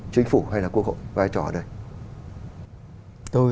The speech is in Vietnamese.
chính phủ hay là quốc hội vai trò ở đây